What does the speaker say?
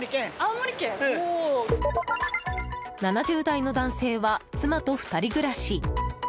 ７０代の男性は妻と２人暮らし。